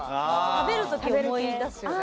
食べる時に思い出すよね。